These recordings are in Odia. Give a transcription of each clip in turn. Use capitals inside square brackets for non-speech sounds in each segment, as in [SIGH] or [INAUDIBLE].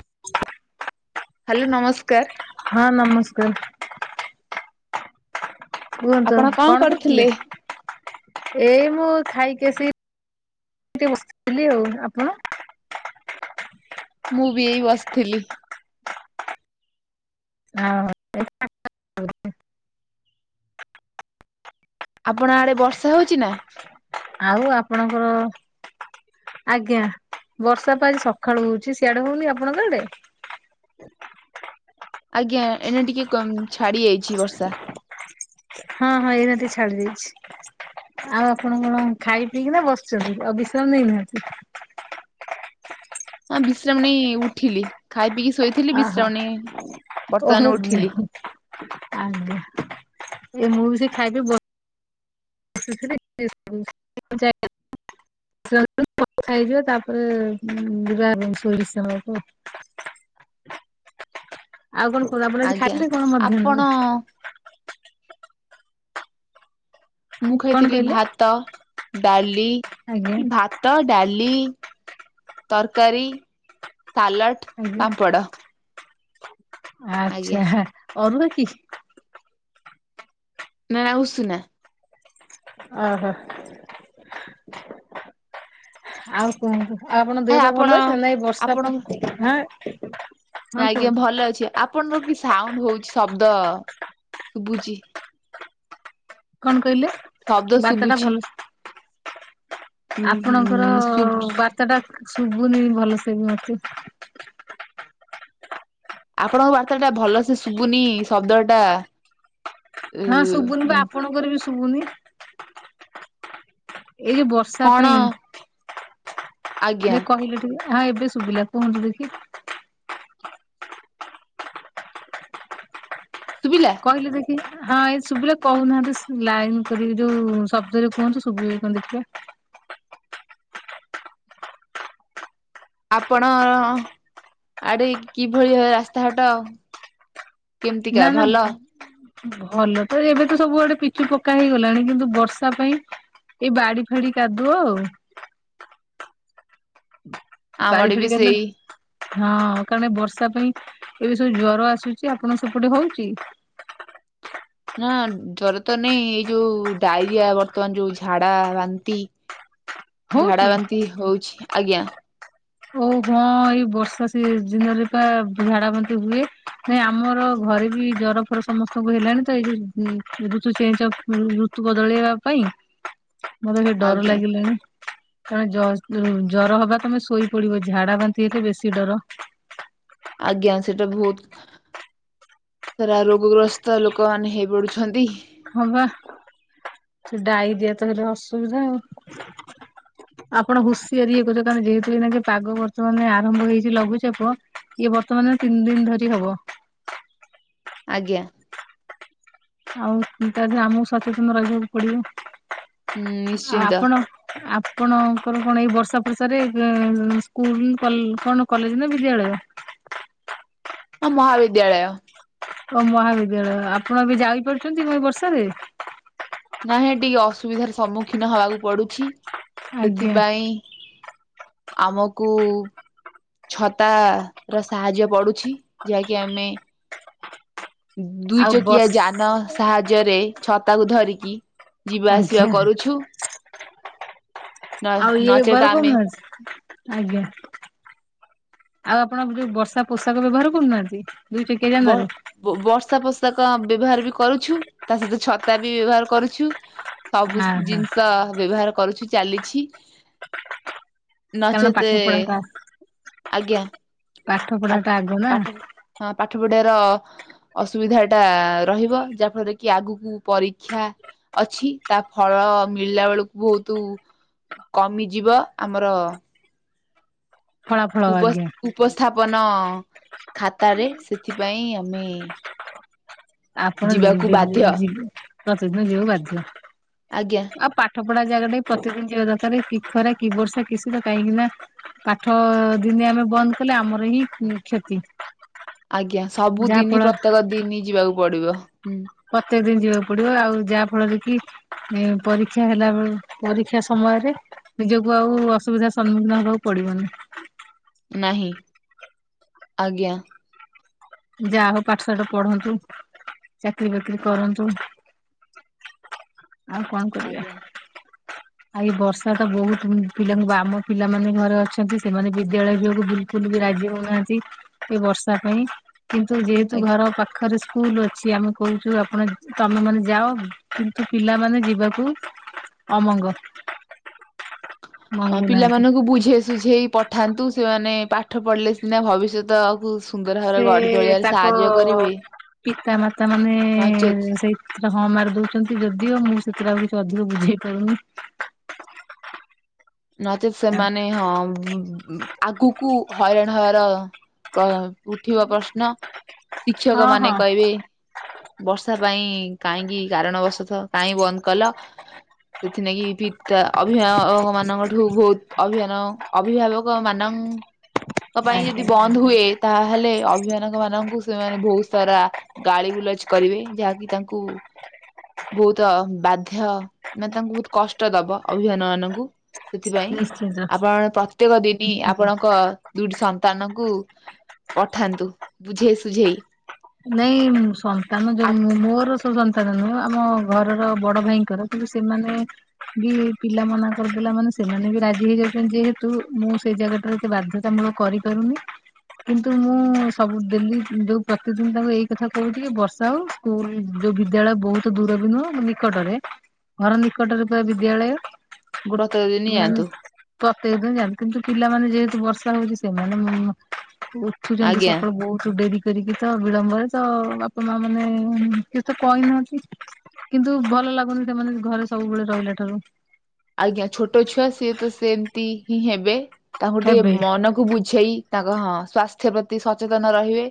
[INAUDIBLE] ହ୍ୟାଲୋ ନମସ୍କାର। ହଁ ନମସ୍କାର। କୁହନ୍ତୁ। କଣ କରୁଥିଲେ? ଏଇ ମୁଁ ଖାଇକି ଆସି ବସିଥିଲି ଆଉ, ଆପଣ? ମୁଁ ବି ଏଇ ବସିଥିଲି। ଆଉ ଆପଣ ଆଡେ ବର୍ଷା ହଉଚି ନା? ଆଉ ଆପଣଙ୍କ ଆଜ୍ଞା। ବର୍ଷା ପା ଆଜି ସକାଳୁ ହଉଚି। ସିଆଡେ ହଉନି, ଆପଣଙ୍କ ଆଡେ? ଆଜ୍ଞା। ଏନା ଟିକେ କମ୍ ଛାଡି ଯାଇଚି ବର୍ଷା। ହଁ ହଁ। ଏଇନା ଟିକେ ଛାଡି ଯାଇଚି। ଆଉ ଆପଣ କଣ ଖାଇ ପିଇକିନା ବସିଚନ୍ତି? ଆଉ ବିଶ୍ରାମ ନେଇନାହାନ୍ତି? ହଁ, ବିଶ୍ରାମ ନେଇ ଉଠିଲି। ଖାଇ ପିଇକି ଶୋଇଥିଲି। ଅହ ବିଶ୍ରାମ ନେଇ, ଓ ବର୍ତ୍ତମାନ ମୁଁ ଉଠିଲି। ଆଜ୍ଞା। ଏ ମୁଁ ବି ସେଇ ଖାଇପି ବ [UNINTELLIGIBLE] ଖାଇଯିବା। ତାପରେ ଯିବା [UNINTELLIGIBLE] [INAUDIBLE] ଆଉ କଣ କୁହନ୍ତୁ, ଆପଣ ଆଜି ଆଜ୍ଞା ଖାଇଲେ କଣ ଆପଣ ମଧ୍ୟାହ୍ନରେ? ମୁଁ କଣ ଖାଇଥିଲି କହିଲେ ଭାତ, ଡାଲି, ଆଜ୍ଞା ଭା ତ ଡାଲି, ତରକାରୀ, ସାଲଡ଼, ପାମ୍ପଡ଼। ଆଜ୍ଞା ଆଛା, ଅରୁଆ କିି? ନା ଉସୁନା। ଓହୋ, ଆଉ କୁହନ୍ତୁ, ଆଉ ଆପଣ ଦେହ ପା ଭଲ ଅଛି ନା? ନାଇ ଏ ବର୍ଷା ଆପଣ ପାଇଁ, ହାଁ। ଆଜ୍ଞା ଭଲ ଅଛି, ଆପଣଙ୍କର କି ସାଉଣ୍ଡ ହଉଚି ଶବ୍ଦ ଶୁବୁଚି। କଣ କହିଲେ? ଶବ୍ଦ ବାର୍ତ୍ତା ଟା ଶୁବୁଛି। ଭଲ ଆପଣଙ୍କର ହୁଁ ଶୁଭ ବାର୍ତ୍ତାଟା, ଶୁଭୁନି ଭଲସେ ମତେ। ଆପଣଙ୍କ ବାର୍ତ୍ତା ଟା ଭଲସେ ଶୁଭୁନି, ଶବ୍ଦ ଟା ଉ ହଁ ଶୁବୁନି ପା, ଆପଣଙ୍କର ବି ଶୁଭୁନି। ଏଇ ଯୋଉ ବର୍ଷା କଣ ପାଇଁ ଆଜ୍ଞା ଦେ କହିଲୁ ଟିକେ, ହଁ ଏବେ ଶୁବିଲା, କୁହନ୍ତୁ ଦେଖି? ଶୁବିଲା? କହିଲୁ ଦେଖି, ହଁ, ଏ ଶୁବିଲା, କହୁନାହାନ୍ତି ଲାଇନ କରିକି ଯୋଉ ଶବ୍ଦରେ କୁହନ୍ତୁ ଶୁଭିବ। କଣ ଦେଖିବା? ଆପଣ, ଆଡେ କିଭଳି ରାସ୍ତାଘାଟ କେମିତିକା ନା ଭଲ [UNINTELLIGIBLE] ଭଲ ତ ଏବେ ତ ସବୁଆଡେ ପିଚୁ ପକା ହେଇଗଲାଣି କିନ୍ତୁ ବର୍ଷା ପାଇଁ ଏଇ ବାଡି ଫାଡି କାଦୁଅ ଆଉ। ଆମ ବାଡ଼ି ଆଡେ ଫାଡ଼ି ବି କାଦୁ ସେଇ ହଁ, କାରଣ ବର୍ଷା ପାଇଁ ଏବେ ସବୁ ଜ୍ୱର ଆସୁଛି ଆପଣ ସେପଟେ ହଉଚି? ନା, ଜର ତ ନାଇଁ, ଛ ଏଇ ଯୋଉ ଡାଇରିଆ ବର୍ତ୍ତମାନ ଯୋଉ ଝାଡା, ବାନ୍ତି ଝାଡା ହଉଛି ବାନ୍ତି ହଉଛି ଆଜ୍ଞା। ଓଉ ହଁ, ଏଇ ବର୍ଷା ସିଜିନ୍ ରେ ପା ଝାଡା ବାନ୍ତି ହୁଏ। ନାଇଁ ଆମର ଘରେ ବି, ଜର ଫର ସମସ୍ତଙ୍କୁ ହେଲାଣି ତ, ଏଇ ଯୋ ଋତୁ ଚେଞ୍ଜ ଅ ଋତୁ ବଦଳେଇବା ପାଇଁ। [INAUDIBLE] ମତେ ସେ ଡର ଆଜ୍ଞା ଲାଗିଲାଣି, କାରଣ ଜର ହବା ତମେ ଶୋଇ ପଡିବ ଝାଡ଼ା ବାନ୍ତି ହେଲେ ବେଶୀ ଡର। ଆଜ୍ଞା ସେଇଟା ବହୁତ। ସେରା ରୋଗଗ୍ରସ୍ତ ଲୋକମାନେ ହେଇ ପଡୁଛନ୍ତି। ହଁ ବା ସେ ଡାଇରିଆ ତ ହେଲେ ଅସୁବିଧା ଆଉ। [INAUDIBLE] ଆପଣ ହୁସିଆରି ଇଏ କରୁଛ କାରଣ ଯେହେତୁ ଏଇନାକେ ପାଗ ବର୍ତ୍ତମାନ ଆରମ୍ଭ ହେଇଛି ଲଘୁଚାପ। ଇଏ ବର୍ତ୍ତମାନ ତିନି ଦିନ ଧରି ହବ। ଆଜ୍ଞା। ଆଉ ତା ଧୀରେ ଆମକୁ ସଚେତନ ରହିବାକୁ ପଡିବ ହୁଁ ଆଉ ନିଶ୍ଚିନ୍ତ ଆପଣ ଆପଣଙ୍କର କଣ ଏଇ ବର୍ଷା ଫର୍ଷାରେ ସ୍କୁଲ କଣ କଲେଜ ନା ବିଦ୍ୟାଳୟ? ହଁ ମହାବିଦ୍ୟାଳୟ। ଓ ମହାବିଦ୍ୟାଳୟ ଆପଣ ଏବେ ଯାଇ ପାରୁଛନ୍ତି ଏ ବର୍ଷାରେ? ନାହେଁ ଟିକେ ଅସୁବିଧାର ସମ୍ମୁଖୀନ ହବାକୁ ପଡୁଛି ଆଜ୍ଞା ସେଥିପାଇଁ ଆମକୁ ଛତା ର ସାହାଯ୍ୟ ପଡୁଛି ଯାହାକି ଆମେ ଦୁଇ ଆଉ ଚକିଆ ବର୍ଷ ଯାନ ସାହାଯ୍ୟରେ ଛତାକୁ ଧରିକି ଯିବା ଆସିବା ଆଜ୍ଞା କରୁଛୁ। ନ ଆଉ ଇଏ ବି। ନଚେତ ଆମେ [UNINTELLIGIBLE] ଆଜ୍ଞା ଆଉ ଆପଣ ଯୋଉ ବର୍ଷା ପୋଷାକ ବ୍ୟବହାର କରୁନାହାନ୍ତି? ଦୁଇ ଚକିଆ ଯାନରେ। ବ ବର୍ଷା ପୋଷାକ ବ୍ୟବହାର ବି କରୁଛୁ ତା ସହିତ ଛତା ବି ବ୍ୟବହାର କରୁଛୁ। ସବୁ ହଁ ହଁ ଜିନିଷ ବ୍ୟବହାର କରୁଛି ଚାଲିଛି। କାରଣ ପାଠ ନଚେତ ପଢାଟା ଆଜ୍ଞା। ପଢା ପାଠ ଟା ଆଗ ନା ପାଠ ହଁ ପାଠ ପଢ଼ିଆ ର ଅସୁବିଧା ଟା ରହିବ ଯାହା ଫଳରେ କି ଆଗକୁ ପରୀକ୍ଷା ଅଛି ତା ଫଳ ମିଳିଲା ବେଳକୁ ବହୁତ କମିଯିବ ଆମର। ଫଳାଫଳ ଉପ ଆଜ୍ଞା ଉପସ୍ଥାପନ ଖାତାରେ ସେଥିପାଇଁ ଆମେ ଆପଣ ଯିବ ତ ଯିବାକୁ ବାଧ୍ୟ ପ୍ରତିଦିନ ଯିବାକୁ ବାଧ୍ୟ। ଆଜ୍ଞା। ଆଉ ପାଠ ପଢା ଜାଗା ଟେ ପ୍ରତେକଦିନ ଯିବା ଦରକାର କି ଖରା କି ବର୍ଷା କି ଶୀତ କାହିଁକି ନା ପାଠ ଦିନେ ଆମେ ବନ୍ଦ କଲେ ଆମର ହିଁ କ୍ଷତି। ଆଜ୍ଞା ଯାହା ସବୁଦିନ ଫଳରେ ପ୍ରତ୍ୟେକ ଦିନି ଯିବାକୁ ପଡିବ ହୁଁ। ପ୍ରତ୍ୟେକ ଦିନ ଯିବାକୁ ପଡିବ ଆଉ ଯାହା ଫଳରେ କି ଏ ପରୀକ୍ଷା ହେଲା ବେଳ ପରୀକ୍ଷା ସମୟରେ ନିଜକୁ ଆଉ ଅସୁବିଧା ର ସମ୍ମୁଖୀନ ହେବାକୁ ପଡିବନି। ନାହିଁ ଆଜ୍ଞା। ଯାହା ହଉ ପାଠ ସାଠ ପଢନ୍ତୁ ଚାକିରି ବାକିରି କରନ୍ତୁ। ଆଉ କଣ କରିବା? ଆଜ୍ଞା ଆଜି ବର୍ଷା ତ ବହୁତ ପିଲାଙ୍କୁ ଆମ ପିଲାମାନେ ଘରେ ଅଛନ୍ତି ସେମାନେ ବିଦ୍ୟାଳୟ ଯିବାକୁ ବିଲ୍ କୁଲ୍ ବି ରାଜି ହଉନାହାନ୍ତି ଏ ବର୍ଷା ପାଇଁ କିନ୍ତୁ ଯେହେତୁ ଆଜ୍ଞା ଘର ପାଖରେ ସ୍କୁ ସ୍କୁଲ ଅଛି ଆମେ କହୁଛୁ ଆପଣ ତମେ ମାନେ ଯାଅ କିନ୍ତୁ ପିଲାମାନେ ଯିବାକୁ ଅମଙ୍ଗ। ହ୍ନ ମଙ୍ଗୁନାହାନ୍ତି। ପିଲାମାନଙ୍କୁ ବୁଝେ ସୁଝେଇ ପଠାନ୍ତୁ ସେମାନେ ପାଠ ପଢ଼ିଲେ ସିନା ଭବିଷ୍ୟତକୁ ସୁନ୍ଦର ଭାବରେ ସେ ଗଢି ତୋଳିବାରେ ତାଙ୍କ ସାହାଯ୍ୟ କରିବେ ପିତା ମାତା ମାନେ ନଚେତ୍ ସେଇ ସେଟା ହଁ ମାରି ଦଉଛନ୍ତି ଯଦିଓ ମୁଁ ସେଥିରେ ଆଉ କିଛି ଅଧିକ ବୁଝେଇ ପାରୁନି। ନଚେତ୍ ସେମାନେ ହଁ ଆଗକୁ ହଇରାଣ ହବାର ଉଠିବ ପ୍ରଶ୍ନ ହଁ ଶିକ୍ଷକ ହଁ। ମାନେ କହିବେ ବର୍ଷା ପାଇଁ କାହିଁକି କାରଣ ବସୁଥ କାହିଁ ବନ୍ଦ କଲ ସେଥିଲାଗି ପିତା ଅଭିଭାବକ ମାନଙ୍କ ଠୁ ବୋହୁତ୍ ଅଭିୟାନ ଅଭିଭାବକ ମାନଙ୍କ ଙ୍କ ପାଇଁ ଯଦି ଆଜ୍ଞା ବନ୍ଦ ହୁଏ ତାହେଲେ ଅଭିଭାନକ ମାନଙ୍କୁ ସେମାନେ ବୋହୁତ୍ ସାରା ଗାଳି ଗୁଲଜ କରିବେ ଯାହାକି ତାଙ୍କୁ ବହୁତ ବାଧ୍ୟ, ମାନେ ତାଙ୍କୁ ବୋହୁତ୍ କଷ୍ଟ ଦବ ଅଭି ବାନ ମାନଙ୍କୁ। ସେଥିପାଇଁ। ନିଶ୍ଚିନ୍ତ। ଆପଣ ପ୍ରତ୍ୟେକ ଦିନି ଆପଣଙ୍କ ଦୁଇଟି ସନ୍ତାନଙ୍କୁ ପଠାନ୍ତୁ ବୁଝେଇ ସୁୁଝେଇ। ନାଇଁ ସନ୍ତାନ ଯୋଉ ମୋର ସନ୍ତାନ ନୁହେଁ। ଆମ ଘରର ବଡ ଭାଇଙ୍କର କିନ୍ତୁ ସେମାନେ ବି ପିଲା ମାନଙ୍କ-ପିଲା ମାନେ ସେମାନେ ବି ରାଜି ହେଇଯାଉଛନ୍ତି ଯେହେତୁ ମୁଁ ସେ ଜାଗାଟାରେ ବାଧ୍ୟତାମୂଳକ କରିପାରୁନି। କିନ୍ତୁ ମୁଁ ସବୁ ଡେଲି ଯୋଉ ତାଙ୍କୁ ଏଇ କଥା କହୁଛିିକି ବର୍ଷା ହୋଉ ସ୍କୁଲ୍ ଯୋଉ ବିଦ୍ୟାଳୟ ବୋହୁତ୍ ଦୂର ବି ନୁହଁ ନିକଟରେ ଘର ନିକଟରେ ପୁରା ବିଦ୍ୟାଳୟ ପ୍ରତ୍ୟେକ ଦିନ ଗୋଟେ ମାନେ ଯାଆନ୍ତୁ ପ୍ରତେକ ଦିନ ଯାଆନ୍ତି କିନ୍ତୁ ପିଲାମାନେ ଯେହେତୁ ବର୍ଷା ହଉଛି ସେମାନେ ଉଠୁଛନ୍ତି ଆଜ୍ଞା ସକାଳୁ ବୋହୁତ୍ ଡେରି କରିକି। ତ ବିଳମ୍ବରେ ତ ବାପା ମା ମାନେ କିଛି ତ କହିନାହାନ୍ତି। କିନ୍ତୁ ଭଲ ଲାଗୁନି ସେମାନେ ଘରେ ସବୁବେଳେ ରହିଲା ଠାରୁ। ଆଜ୍ଞା ଛୋଟ ଛୁଆ ସିଏ ତ ସେମିତି ହିଁ ହେବେ ତାଙ୍କୁ ଟିକେ ହେବେ ମନ କୁ ବୁଝେଇ ତାଙ୍କ ହଁ ସ୍ଵାସ୍ଥ୍ୟ ପ୍ରତି ସଚେତନ ରହିବେ।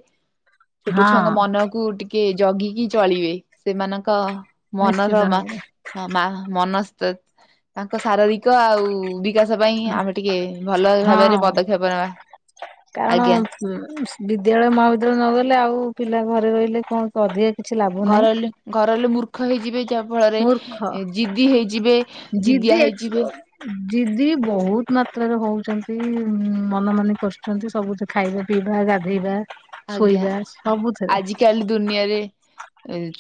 ଛୋଟ ଛୁଆଙ୍କ ହଁ। ମନ କୁ ଟିକେ ଜଗିକି ଚଳିବେ, ସେମାନଙ୍କ ନିଶ୍ଚିତ ମନର ମା ଭାବରେ। ହଁ ମା ମନସ୍ ତାଙ୍କ ଶାରୀରିକ ଆଉ ବିକାଶ ପାଇଁ ଆମେ ଟିକେ ଭଲ ଭାବରେ ହଁ ପଦକ୍ଷେପ ନେବା। କାରଣ ଆଜ୍ଞା ବିଦ୍ୟାଳୟ ମହାବିଦ୍ୟାଳୟ ନ ଗଲେ ଆଉ ପିଲା ଘରେ ରହିଲେ କଣ ତ ଅଧିକ କିଛି ଲା ଘରେ ରହିଲେ, ଘରେ ରହିଲେ ମୂର୍ଖ ହେଇଯିବେ। ଯା ଫଳରେ ମୂର୍ଖ ଜିଦି ହେଇଯିବେ, ଜିଦିଆ ହେଇଯିବେ। ଦିଦି ବୋହୁତ୍ ମାତ୍ରାରେ ହଉଛନ୍ତି ମନ ମନି କରସୁଛନ୍ତି ସବୁ ଥିରେ। ଖାଇବା ପିଇବା ଗାଧେଇବା। ଆଜ୍ଞା। ଶୋଇବା ସବୁଥିରେ ଆଜି କାଲି ଦୁନିଆରେ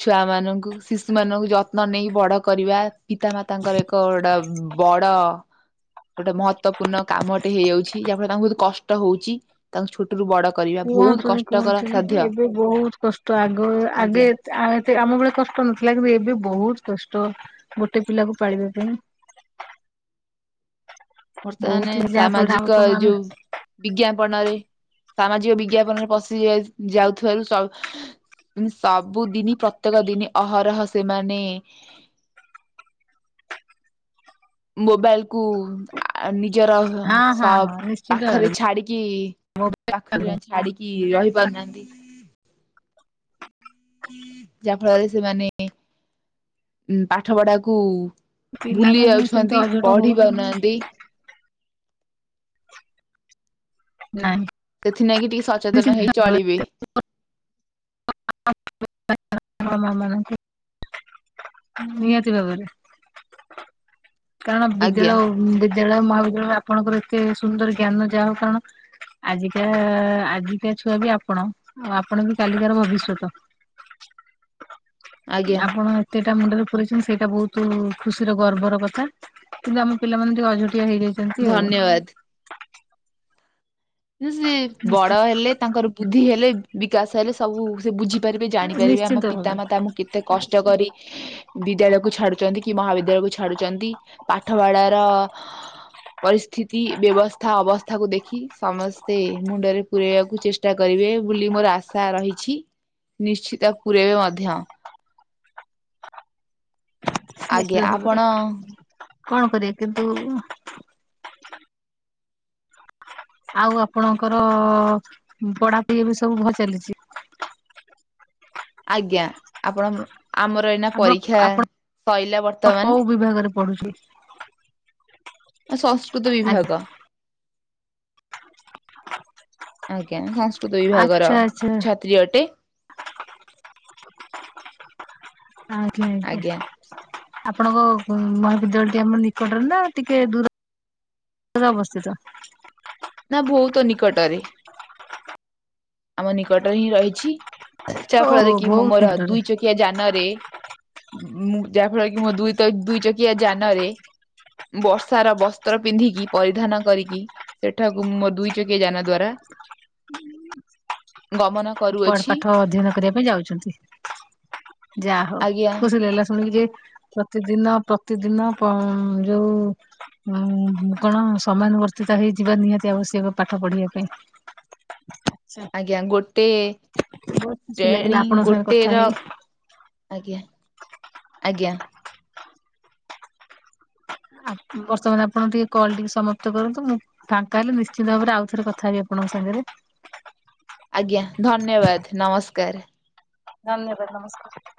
ଛୁଆ ମାନଙ୍କୁ ଶିଶୁ ମାନଙ୍କୁ ଯତ୍ନ ନେଇ ବଡ କରିବା ପିତା ମାତାଙ୍କର କ ଗୋଟା ବଡ ଗୋଟେ ମହତ୍ଵପୂର୍ଣ୍ଣ କାମ ଟେ ହେଇଯାଉଛି, ଯାହାଫଳରେ ତାଙ୍କୁ ବୋହୁତ୍ କଷ୍ଟ ହୋଉଛି। ତାଙ୍କୁ ଛ ବଡ କରିବା ବୋହୁତ୍ କୁହଥିଲି କି, ଏବେ ବୋହୁତ୍ କଷ୍ଟ ଆଗ ଆଗେ ଆଜ୍ଞା। ଆଉ ଏତେ ଆମ ବେଳେ କଷ୍ଟ ନଥିଲା କିନ୍ତୁ ଏବେ ବୋହୁତ୍ କଷ୍ଟ ଗୋଟେ ପିଲାକୁ ପାଳିବା ପାଇଁ। ବହୁତ ବର୍ତ୍ତମାନେ ହିଁ ଯାହା ଫଳରେ ଆମ ସାମାଜିକ ତମ ଏ ଆମେ ଯୋଉ ବିଜ୍ଞାପନରେ ସାମାଜିକ ବିଜ୍ଞାପନରେ ପଶି ଯାଉଥିବାରୁ ସବୁଦିନି ପ୍ରତ୍ୟେକ ଦିନି ଅହରହ ସେମାନେ ମୋବାଇଲ୍ କୁ ଆ ନିଜର ହଁ ହଁ ସ ହଁ ନିଶ୍ଚିତ ଭାବରେ ପାଖରେ ଛାଡିକି ମୋବାଇଲ ପାଖରେ ଛାଡିକି କି ରହିିପାରୁନାହାନ୍ତି ଯାହା ଫଳରେ ସେମାନେ ଉ ପାଠ ପଢାକୁ, ଭୁଲି ପିଲାମାନେ ସେମିତି ଯାଉଛନ୍ତି ଅଝଟ ପଢି ହଉଛନ୍ତି ପାରୁନାହାନ୍ତି ନାଇଁ ସେଥିଲାଗି ଟିକେ ସତ ସିି [UNINTELLIGIBLE] [UNINTELLIGIBLE] ନିହାତି ଭାବରେ, କାରଣ ଆଜ୍ଞା ବିଦ୍ୟାଳୟ ବି ବିଦ୍ୟାଳୟ, ମହାବିଦ୍ୟାଳୟରେ, ଆପଣଙ୍କର ଏତେ ସୁନ୍ଦର ଜ୍ଞାନ, ଯାହା ହଉ କାରଣ ଆଜିକାଆ ଆଜିିକା ଛୁଆ ବି ଆପଣ। ଆଉ ଆପଣ ବି କାଲିକାର ଭବିଷ୍ୟତ। ଆଜ୍ଞା ଆପଣ ଏତେଟା ମୁଣ୍ଡରେ ପୁରେଇଛନ୍ତି ସେଇଟା ବହୁତ ଖୁସିର ଗର୍ବର କଥା। କିନ୍ତୁ ଆମ ପିଲାମାନେ ଟିକିଏ ଅଝଟିଆ ହେଇଯାଇ ଧନ୍ୟବାଦ। ଯେସେ ନିଶ୍ଚି ବଡ ହେଲେ, ତାଙ୍କର ବୁଦ୍ଧି ହେଲେ, ବିକାଶ ହେଲେ ସବୁ ସେ ବୁଝି ପାରିବେ, ଜାଣିପାରିବେ, ଆମ ନିଶ୍ଚିନ୍ତ ଭାବରେ ପିତାମାତାଆମଙ୍କୁ କେତେ କଷ୍ଟ କରି ବିଦ୍ୟାଳୟକୁୁ ଛାଡୁଚନ୍ତି, କି ମହାବିଦ୍ୟାଳୟକୁୁ ଛାଡୁଚନ୍ତି, ପାଠପଢାର ପରିସ୍ଥିତି, ବ୍ୟବସ୍ଥା ଅବସ୍ଥାକୁ ଦେଖି ସମସ୍ତେ ମୁଣ୍ଡରେ ପୁରେଇବାକୁ ଚେଷ୍ଟା କରିବେ, ବୁଲି ମୋର ଆଶା ରହିଛି। ନିଶ୍ଚିତ ପୁରେଇବେ ମଧ୍ୟ। ଆଜ୍ଞା ନିଶ୍ଚିତ ଆପଣ ଭାବରେ କଣ କରିବା କିନ୍ତୁ ଆଉ ଆପଣଙ୍କର ପଢାପଢି ବି ସବୁ ଭଲ ଚାଲିଛି? ଆଜ୍ଞା ଆପଣ, ଆମର ଏଇନା ଆପଣ ପରୀକ୍ଷା ସଇଲା ବର୍ତ୍ତମାନ। କୁ ବିଭାଗରେ ପଢୁଚି? ସଂସ୍କୃତ ଆଜ୍ଞା ବିଭାଗ। [INAUDIBLE] ଆଜ୍ଞା ସଂସ୍କୃତ ବିଭାଗର ଆଚ୍ଛା ଆଚ୍ଛା ଛାତ୍ରୀ ଅଟେ। ଆଜ୍ଞା ଆଜ୍ଞା ଆପଣଙ୍କ ମହାବିଦ୍ୟାଳୟଟି ଆମ ନିକଟରେ ନା ଟିକିଏ ଦୂର ଅବସ୍ଥିତ। ନା ବହୁତ ନିକଟରେ? ଆମ ନିକଟରେ ହିଁ ରହିଛି, ଯାହା ଓହୋ ଫଳରେ କି ମୁଁ ବହୁତ ମୋର ନିକଟରେ ଦୁଇ ଚକିଆ ଯାନରେ ମୁଁ ଯାହାଫଳ କି ମୋ ଦୁଇ ତକି ଦୁଇ ଚକିଆ ଯାନରେ ବର୍ଷାର ବସ୍ତ୍ର ପିନ୍ଧିକି, ପରିଧାନ କରିକି ସେଠାକୁ ମୋ ଦୁଇ ଚକିଆ ଯାନ ଦ୍ୱାରା ଗମନ ପଢ କରୁଅଛି ପାଠ ଅଧ୍ୟୟନ କରିବା ପାଇଁ ଯାଉଛନ୍ତି। ଯାହା ହଉ, ଆଜ୍ଞା ଖୁସି ଲାଗିଲା ଶୁଣିକି ଯେ ପ୍ରତିଦିନ, ପ୍ରତିଦିନ ଅ ଯୋଉ ହଁ କଣ, ସମାନୁବର୍ତ୍ତିତ ହେଇଯିବା, ନିହାତି ଆବଶ୍ୟକ, ପାଠ ପଢିବା ପାଇଁ। ଆଜ୍ଞା। ଗୋଟେ ବହୁତ ଖୁସି ଲାଗିଲା ଶ୍ରେଣୀ, ଆପଣଙ୍କ ସାଙ୍ଗେ ଗୋଟେ କଥା ର ହେଇ ଆଜ୍ଞା, ଆଜ୍ଞା। ବର୍ତ୍ତମାନ ଆପଣ ଟିକେ କଲ୍ ଟିକେ ସମାପ୍ତ କରନ୍ତୁ। ମୁଁ ଫାଙ୍କା ହେଲେ, ନିଶ୍ଚିିତ ଭାବରେ ଆଉ ଥରେ କଥା ହେବି ଆପଣଙ୍କ ସାଙ୍ଗରେ। ଆଜ୍ଞା ଧନ୍ୟବାଦ ନମସ୍କାର। ଧନ୍ୟବାଦ ନମସ୍କାର।